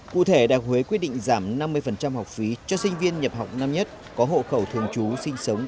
cụ thể đà huế quyết định giảm năm mươi học phí cho sinh viên nhập học năm nhất có hộ khẩu thường trú sinh sống